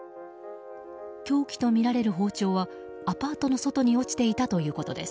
凶器とみられる包丁はアパートの外に落ちていたということです。